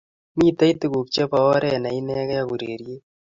Mitei tuguk che bo oret ne inegei ak urereriet